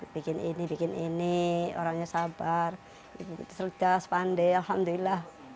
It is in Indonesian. bikin ini bikin ini orangnya sabar cerdas pandai alhamdulillah